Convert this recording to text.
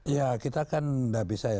ya kita kan nggak bisa ya